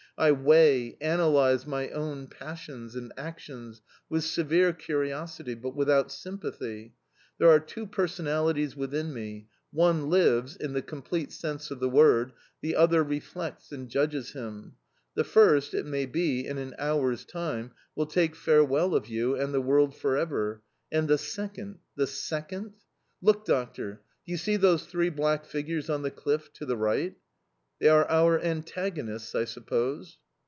I weigh, analyse my own passions and actions with severe curiosity, but without sympathy. There are two personalities within me: one lives in the complete sense of the word the other reflects and judges him; the first, it may be, in an hour's time, will take farewell of you and the world for ever, and the second the second?... Look, doctor, do you see those three black figures on the cliff, to the right? They are our antagonists, I suppose?"...